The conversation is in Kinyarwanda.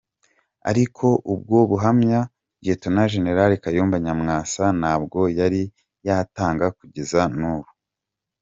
Ariko ubwo buhamya Lt Gen Kayumba Nyamwasa ntabwo yari yatanga kugeza n’ubu.